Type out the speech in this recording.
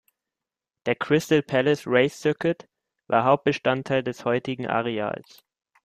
Der Crystal Palace Race Circuit war Hauptbestandteil des heutigen Areals.